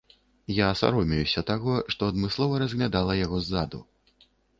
Я саромеюся таго, што адмыслова разглядала яго ззаду.